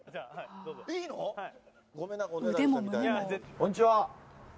こんにちは！